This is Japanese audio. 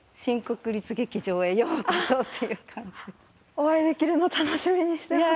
お会いできるのを楽しみにしてました。